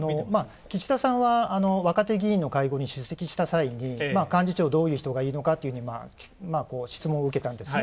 岸田さんは若手議員の会議に出席した際に幹事長、どういう人がいいのかって質問を受けたんですね。